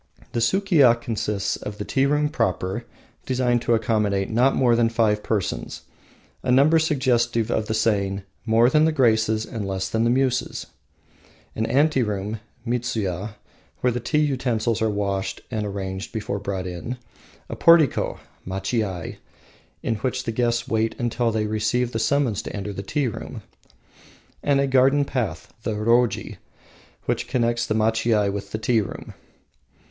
The Sukiya consists of the tea room proper, designed to accommodate not more than five persons, a number suggestive of the saying "more than the Graces and less than the Muses," an anteroom (midsuya) where the tea utensils are washed and arranged before being brought in, a portico (machiai) in which the guests wait until they receive the summons to enter the tea room, and a garden path (the roji) which connects the machiai with the tea room.